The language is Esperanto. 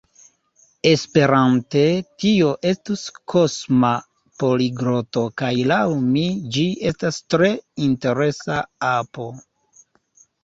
Esperante tio estus Kosma Poligloto kaj laŭ mi ĝi estas tre interesa apo